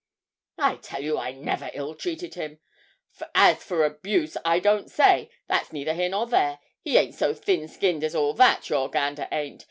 'I tell you I never ill treated him; as for abuse, I don't say. But that's neither here nor there. He ain't so thin skinned as all that, your gander ain't.